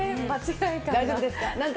大丈夫ですか？